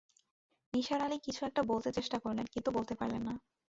নিসার আলি কিছু একটা বলতে চেষ্টা করলেন, কিন্তু বলতে পারলেন না।